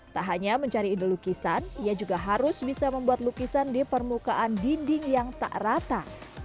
tak hanya mencari ide lukisan ia juga harus bisa membuat lukisan di permukaan dinding yang tak rata